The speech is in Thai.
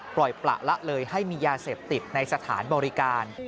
ปล่อยประละเลยให้มียาเสพติดในสถานบริการ